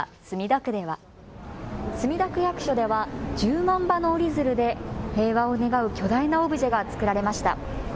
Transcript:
墨田区役所では１０万羽の折り鶴で平和を願う巨大なオブジェが作られました。